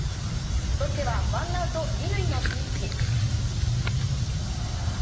ロッテは１アウト２塁のピンチ。